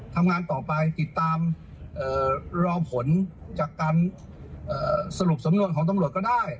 ทำงานต่อไปติดตามรอผลจากการสรุปสำนวนของตำรวจก็ได้